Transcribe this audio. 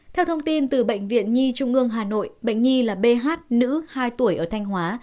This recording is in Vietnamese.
theo thông tin từ bệnh viện nhi trung ương hà nội bệnh nhi là b nữ hai tuổi ở thanh hóa